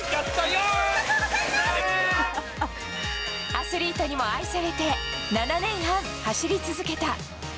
アスリートにも愛されて７年半走り続けた。